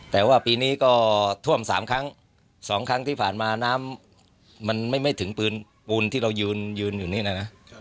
แต่ว่าปีนี้ก็ท่วม๓ครั้ง๒ครั้งที่ผ่านมาน้ำมันไม่ถึงปืนปูนที่เรายืนอยู่นี่นะ